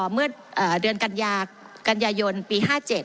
เมื่อเดือนกันยายนปี๕๗